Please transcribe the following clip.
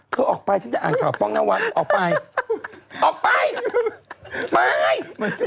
เธอออกไปฉันจะอ่านข่าวป้องนวัดออกไปออกไปไปสิ